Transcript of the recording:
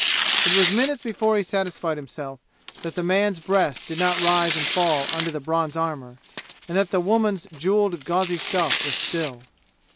It was minutes before he satisfied himself that the man's breast did not rise and fall under the bronze armor and that the woman's jeweled gauzy stuff was still.